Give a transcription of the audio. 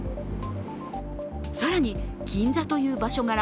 更に銀座という場所がら